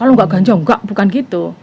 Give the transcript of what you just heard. kalau nggak ganja enggak bukan gitu